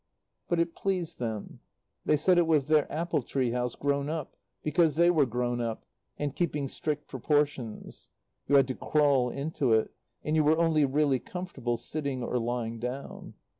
But it pleased them. They said it was their apple tree house grown up because they were grown up, and keeping strict proportions. You had to crawl into it, and you were only really comfortable sitting or lying down.